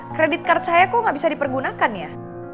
kredit kartu saya kok gak bisa dipergunakan ya